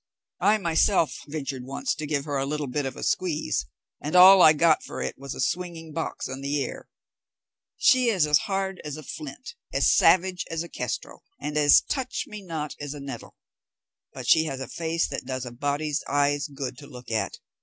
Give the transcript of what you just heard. I myself ventured once to give her a little bit of a squeeze, and all I got for it was a swinging box on the ear. She is as hard as a flint, as savage as a kestrel, and as touch me not as a nettle; but she has a face that does a body's eyes good to look at.